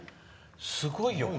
すごいよね。